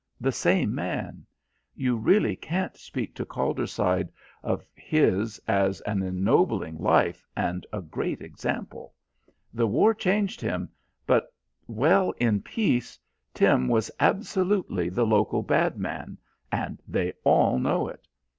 The same man. You really can't speak to Calderside of his as an ennobling life and a great example. The war changed him, but well, in peace, Tim was absolutely the local bad man, and they all know it.